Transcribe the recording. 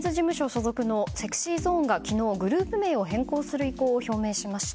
所属のＳｅｘｙＺｏｎｅが昨日、グループ名を変更する意向を表明しました。